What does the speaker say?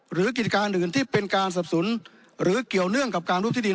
กิจการอื่นที่เป็นการสับสนหรือเกี่ยวเนื่องกับการรูปที่ดิน